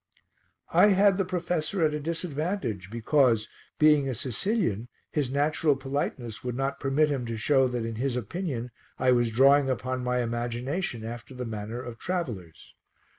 I had the professor at a disadvantage because, being a Sicilian, his natural politeness would not permit him to show that in his opinion I was drawing upon my imagination after the manner of travellers.